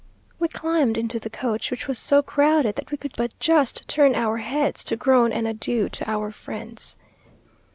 We climbed into the coach, which was so crowded that we could but just turn our heads to groan an adieu to our friends.